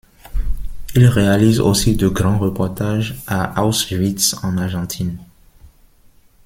Il réalise aussi de grands reportages, à Auschwitz, en Argentine...